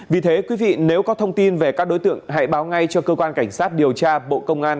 vì thế quý vị nếu có thông tin về các đối tượng hãy báo ngay cho cơ quan cảnh sát điều tra bộ công an